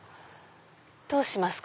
どうしますか？